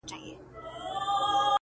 په شاعرۍ کښې دې په کړي اشتهار خفه یم